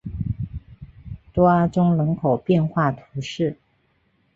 多阿宗人口变化图示